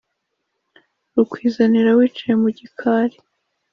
Rukwizanira wicaye mugikari